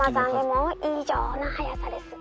異常な速さです。